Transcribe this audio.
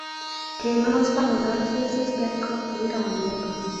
تېمىڭىزغا مۇناسىۋەتسىز گەپ قىلىپ قويىدىغان بولدۇم!